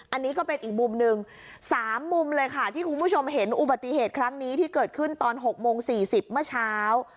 อันนี้ก็เป็นอีกมุมหนึ่ง๓มุมเลยค่ะที่คุณผู้ชมเห็นอุบัติเหตุครั้งนี้ที่เกิดขึ้นตอน๖โมง๔๐เมื่อเช้า